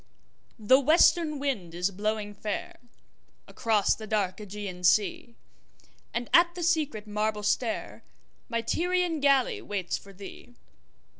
THE WESTERN wind is blowing fairAcross the dark Ægean sea, And at the secret marble stairMy Tyrian galley waits for thee.